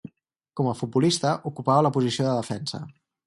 Com a futbolista, ocupava la posició de defensa.